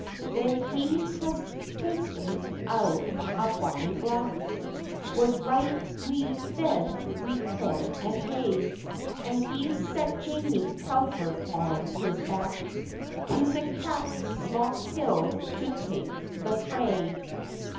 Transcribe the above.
Then he has ta'en out a bonny black, Was right weel fed wi' corn and hay, And he's set Jamie Telfer on his back, To the Catslockhill to tak' the fray.